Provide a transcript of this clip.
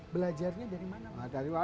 belajarnya dari mana pak